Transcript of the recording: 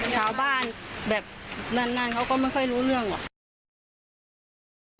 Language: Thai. ชาวบ้านแบบนานเขาก็ไม่ค่อยรู้เรื่องหรอก